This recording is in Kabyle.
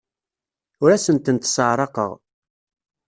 Ur asen-tent-sseɛraqeɣ.